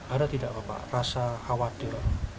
ada tidak bapak rasa khawatir